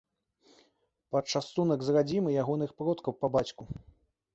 Пачастунак з радзімы ягоных продкаў па бацьку.